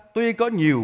tuy có nhiều